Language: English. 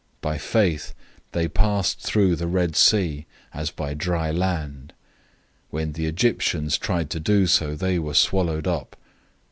011:029 By faith, they passed through the Red Sea as on dry land. When the Egyptians tried to do so, they were swallowed up.